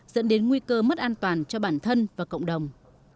dẫn đến nguy cơ mất an toàn cho bản thân và cộng đồng